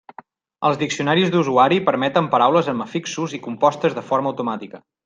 Els diccionaris d'usuari permeten paraules amb afixos i compostes de forma automàtica.